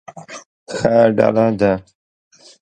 ښه ډله ده.